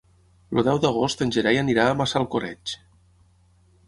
El deu d'agost en Gerai irà a Massalcoreig.